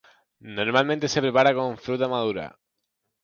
Normalmente se prepara con fruta madura.